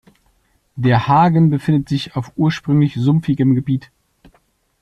Der Hagen befindet sich auf ursprünglich sumpfigem Gebiet.